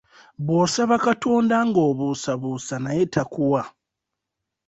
Bw'osaba Katonda nga obuusabuusa naye takuwa.